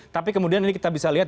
tapi kemudian ini kita bisa lihat